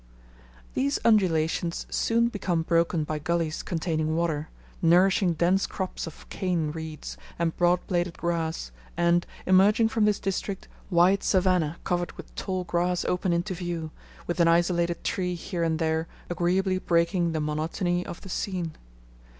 These undulations soon become broken by gullies containing water, nourishing dense crops of cane reeds and broad bladed grass, and, emerging from this district, wide savannah covered with tall grass open into view, with an isolated tree here and there agreeably breaking the monotony of the scene.